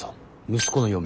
息子の嫁